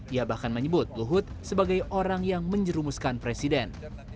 ia bahkan menyebut luhut sebagai orang yang menjerumuskan presiden